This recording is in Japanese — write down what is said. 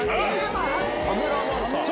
カメラマンさん！